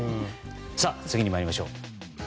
さあ、次に参りましょう。